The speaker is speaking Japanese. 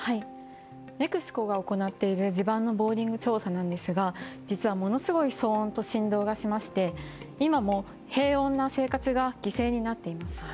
ＮＥＸＣＯが行っている地盤のボーリング調査なんですが実はものすごい騒音と振動がしまして、今も平穏な生活が犠牲になっています。